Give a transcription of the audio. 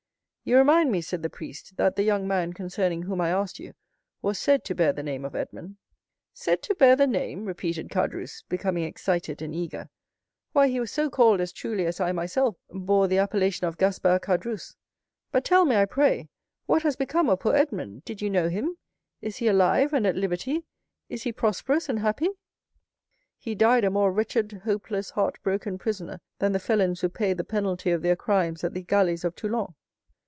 "You remind me," said the priest, "that the young man concerning whom I asked you was said to bear the name of Edmond." "Said to bear the name!" repeated Caderousse, becoming excited and eager. "Why, he was so called as truly as I myself bore the appellation of Gaspard Caderousse; but tell me, I pray, what has become of poor Edmond? Did you know him? Is he alive and at liberty? Is he prosperous and happy?" "He died a more wretched, hopeless, heart broken prisoner than the felons who pay the penalty of their crimes at the galleys of Toulon."